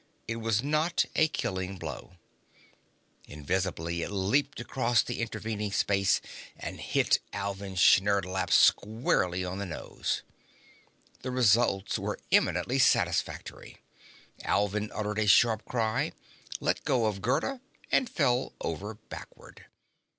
It was not a killing blow. Invisibly, it leaped across the intervening space and hit Alvin Sherdlap squarely on the nose. The results were eminently satisfactory. Alvin uttered a sharp cry, let go of Gerda and fell over backward.